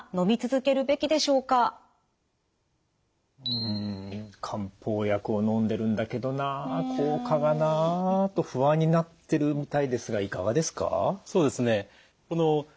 うん漢方薬をのんでるんだけどな効果がなと不安になってるみたいですがいかがですか？